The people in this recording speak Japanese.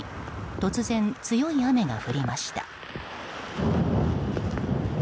突然、強い雨が降りました。